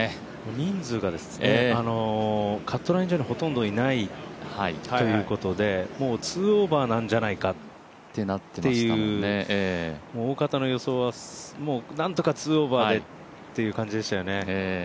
人数が、カットライン上にほとんどいないということでもう２オーバーなんじゃないかっていうおおかたの予想はなんとか２オーバーで、という感じでしたよね。